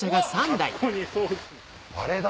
あれだ！